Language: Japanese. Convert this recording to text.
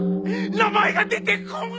名前が出てこん